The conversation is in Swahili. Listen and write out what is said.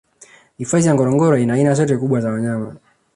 hifadhi ya ngorongoro ina aina zote kubwa za wanyama